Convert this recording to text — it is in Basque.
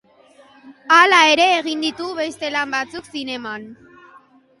Hala ere egin ditu beste lan batzuk zineman.